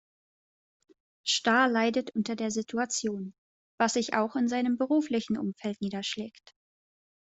Stahr leidet unter der Situation, was sich auch in seinem beruflichen Umfeld niederschlägt.